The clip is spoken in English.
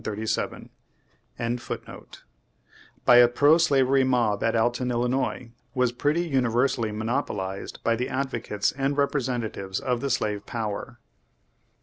Lovejoy,* by a pro slavery mob at Alton, Illinois, was pretty universally monopolized by the advo cates and representatives of the slave power.